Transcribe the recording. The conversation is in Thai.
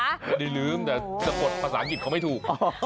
ไม่ได้ลืมแต่สะกดภาษาอังกฤษเขาไม่ถูก